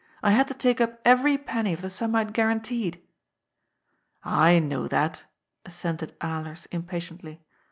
I had to take up every penny of the sum I had guaranteed." ^' I know that," assented Alers impatiently.